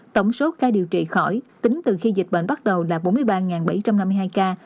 tổng số ca điều trị khỏi tính từ khi dịch bệnh bắt đầu là bốn mươi ba bảy trăm năm mươi hai ca